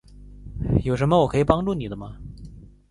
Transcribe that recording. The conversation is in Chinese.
有什么我可以帮助你的吗？